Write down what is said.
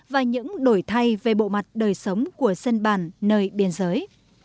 và những đổi thay về bộ mặt đời sống của dân bản nơi biên giới